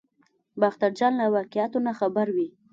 باختر اجان له واقعاتو څخه خبر وي.